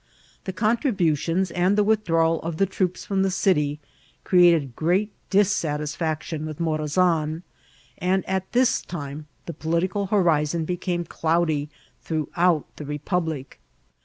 The contributions and the withdrawal of the troops firom the city created great dissatisfaction with Morazan, and at this time the political horizon became cloudy throughout the republic.